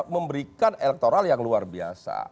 memberikan elektoral yang luar biasa